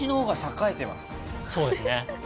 そうですね。